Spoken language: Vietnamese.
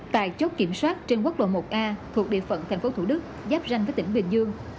tại chốt kiểm soát trên quốc lộ một a thuộc địa phận thành phố thủ đức giáp ranh với tỉnh bình dương